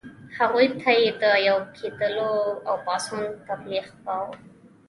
هغوی ته یې د یو کېدلو او پاڅون تبلیغ کاوه.